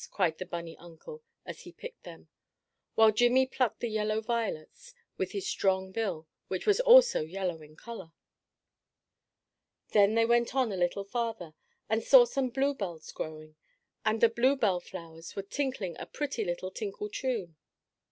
cried the bunny uncle, as he picked them, while Jimmie plucked the yellow violets with his strong bill, which was also yellow in color. Then they went on a little farther and saw some bluebells growing, and the bluebell flowers were tinkling a pretty little tinkle tune.